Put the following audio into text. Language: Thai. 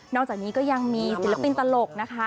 อกจากนี้ก็ยังมีศิลปินตลกนะคะ